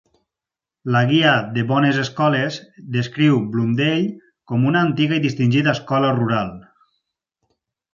La "Guia de bones escoles" descriu Blundell com una "antiga i distingida escola rural.